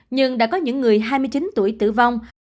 nhưng đã có những người hai mươi chín tuổi tử vong